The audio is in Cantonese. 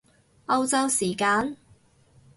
歐洲時間？